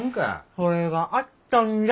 それがあったんじゃ。